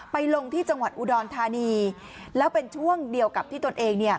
ลงที่จังหวัดอุดรธานีแล้วเป็นช่วงเดียวกับที่ตนเองเนี่ย